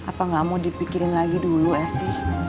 apa gak mau dipikirin lagi dulu eh sih